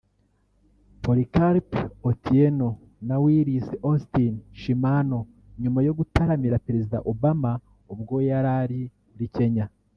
Polycarp Otieno na Willis Austin Chimano nyuma yo gutaramira Perezida Obama ubwo yari ari muri Kenya